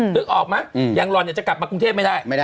ลึกออกมั้ยยังร้อนจะกลับมากรุงเทพไม่ได้